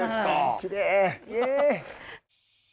きれい。